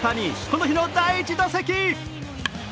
この日の第１打席。